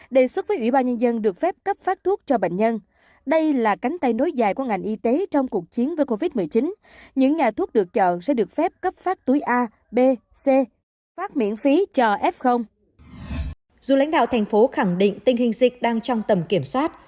dù lãnh đạo thành phố khẳng định tình hình dịch đang trong tầm kiểm soát